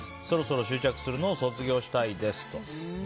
そろそろ執着するのを卒業したいです。